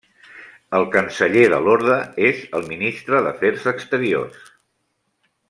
El Canceller de l'Orde és el Ministre d'Afers Exteriors.